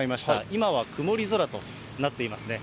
今は曇り空となっていますね。